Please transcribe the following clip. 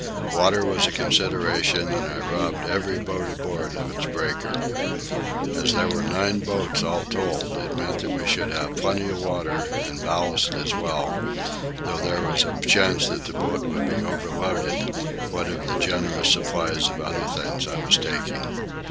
Water was a consideration, and I robbed every boat aboard of its breaker. As there were nine boats all told, it meant that we should have plenty of water, and ballast as well, though there was the chance that the boat would be overloaded, what of the generous supply of other things I was taking.